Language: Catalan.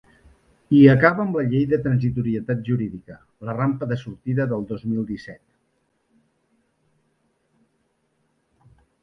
I acaba amb la llei de transitorietat jurídica, la rampa de sortida del dos mil disset.